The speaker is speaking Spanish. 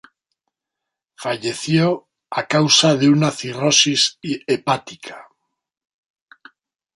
Falleció a causa de una cirrosis hepática.